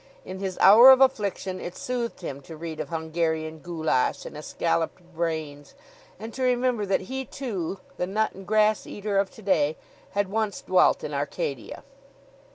In his hour of affliction it soothed him to read of Hungarian Goulash and escaloped brains, and to remember that he, too, the nut and grass eater of today, had once dwelt in Arcadia.